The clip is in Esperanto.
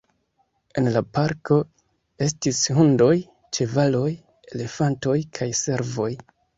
En la parko estis hundoj, ĉevaloj, elefantoj kaj servoj.